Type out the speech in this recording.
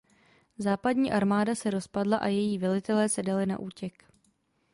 Západní armáda se rozpadla a její velitelé se dali na útěk.